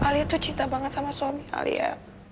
alia tuh cinta banget sama suami alia